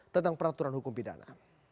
tentang peraturan hukum pidana